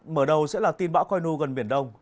mở đầu sẽ là tin bão coi nu gần biển đông